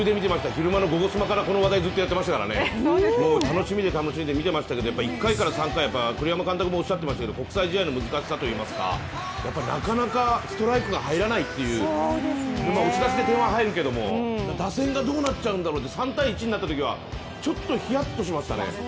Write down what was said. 昼間の「ゴゴスマ」からこの話題ずっとやっていましたから楽しみで楽しみでずっと見ていましたけど１回から３回、栗山監督もおっしゃってましたが国際試合の難しさといいますか、なかなかストライクが入らないという押し出しで後半は入るけれども、打線がどうなっちゃうんだろうって３−１になったときにはちょっとひやっとしましたね。